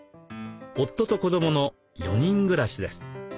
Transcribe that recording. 夫と子どもの４人暮らしです。